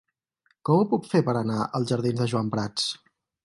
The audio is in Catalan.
Com ho puc fer per anar als jardins de Joan Prats?